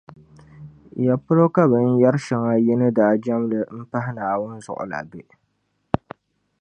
Yapolo ka binyεri shεŋa yi ni daa jεmdi m-pahi Naawuni zuɣu la be?